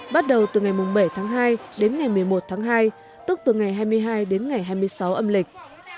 bắt đầu từ ngày bảy tháng hai đến ngày một mươi một tháng hai tức từ ngày hai mươi hai đến ngày hai mươi sáu âm lịch